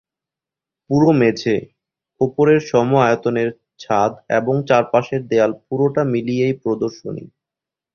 পুরো মেঝে, ওপরের সম-আয়তনের ছাদ এবং চারপাশের দেয়াল পুরোটা মিলিয়েই প্রদর্শনী।